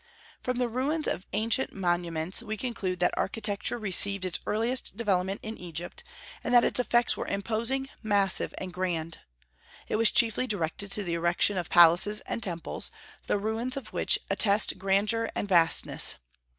From the ruins of ancient monuments we conclude that architecture received its earliest development in Egypt, and that its effects were imposing, massive, and grand. It was chiefly directed to the erection of palaces and temples, the ruins of which attest grandeur and vastness.